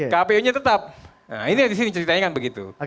kpu nya tetap nah ini disini ceritanya kan begitu